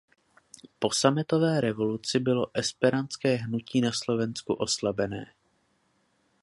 Po Sametové revoluci bylo esperantské hnutí na Slovensku oslabené.